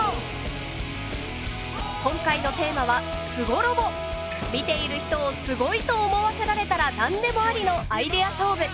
今回のテーマは見ている人を「すごい！」と思わせられたら何でもありのアイデア勝負。